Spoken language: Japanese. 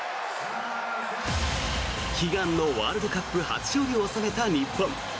悲願のワールドカップ初勝利を収めた日本。